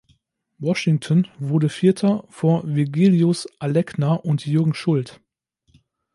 Washington wurde Vierter vor Virgilijus Alekna und Jürgen Schult.